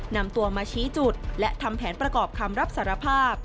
นำตัวมาชี้จุดและทำแผนประกอบคำรับสารภาพ